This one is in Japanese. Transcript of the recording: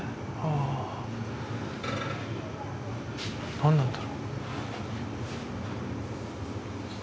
何なんだろう？